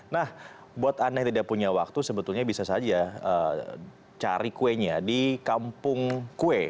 nah buat anda yang tidak punya waktu sebetulnya bisa saja cari kuenya di kampung kue